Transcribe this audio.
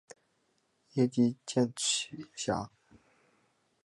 叶基渐狭。